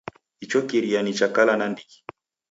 Icho kiria ni cha kala nandighi.